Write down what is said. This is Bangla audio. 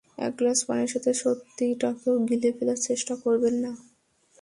এক গ্লাস পানির সাথে সত্যিটাকেও গিলে ফেলার চেষ্টা করবেন না।